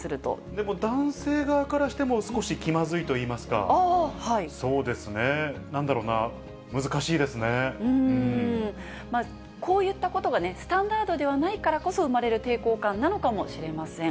でも男性側からしても、少し気まずいといいますか、そうですね、なんだろうな、こういったことがね、スタンダードではないからこそ生まれる抵抗感なのかもしれません。